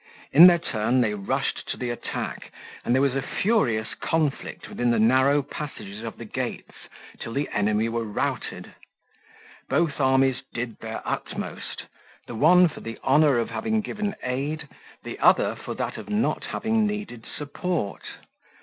In their turn they rushed to the attack, and there was a furious conflict within the narrow passages of the gates till the enemy were routed. Both armies did their utmost; the one for the honour of having given aid, the other for that of not having needed support.